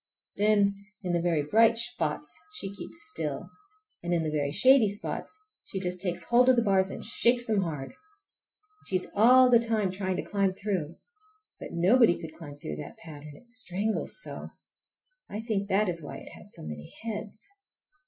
Then in the very bright spots she keeps still, and in the very shady spots she just takes hold of the bars and shakes them hard. And she is all the time trying to climb through. But nobody could climb through that pattern—it strangles so; I think that is why it has so many heads.